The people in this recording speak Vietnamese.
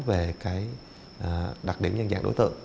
về đặc điểm nhân dạng đối tượng